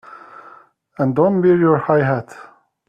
And don't wear your high hat!